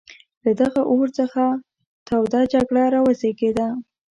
له دغه اور څخه توده جګړه را وزېږېده.